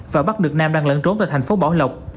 và bắt được nam đang lẫn trốn tại thành phố bảo lộc